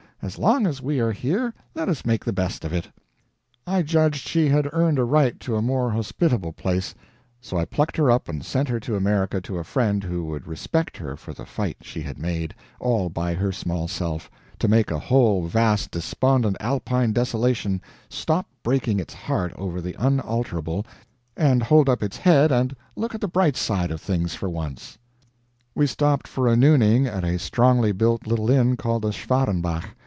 as long as we are here, let us make the best of it." I judged she had earned a right to a more hospitable place; so I plucked her up and sent her to America to a friend who would respect her for the fight she had made, all by her small self, to make a whole vast despondent Alpine desolation stop breaking its heart over the unalterable, and hold up its head and look at the bright side of things for once. We stopped for a nooning at a strongly built little inn called the Schwarenbach.